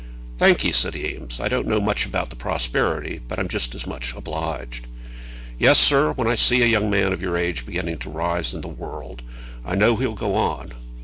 "Thank ye," said Eames. "I don't know much about the prosperity, but I'm just as much obliged." "Yes, sir; when I see a young man of your age beginning to rise in the world, I know he'll go on.